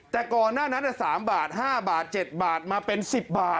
แต่ก่อนหน้านั้น๓บาท๕บาท๗บาทมาเป็น๑๐บาท